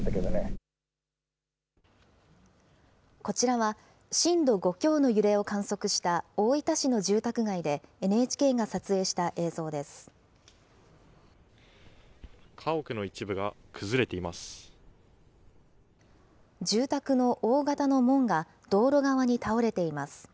こちらは、震度５強の揺れを観測した大分市の住宅街で、ＮＨＫが撮影した映像です。